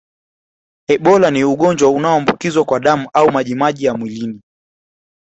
Ebola ni ugonjwa unaoambukiza kwa damu au majimaji ya mwilini